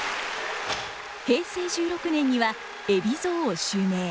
平成１６年には海老蔵を襲名。